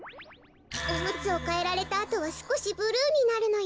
おむつをかえられたあとはすこしブルーになるのよ。